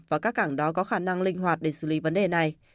và các cảng đó có khả năng linh hoạt để xử lý vấn đề này